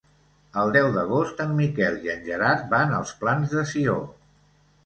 El deu d'agost en Miquel i en Gerard van als Plans de Sió.